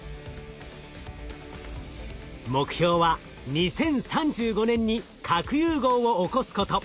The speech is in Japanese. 目標は２０３５年に核融合を起こすこと。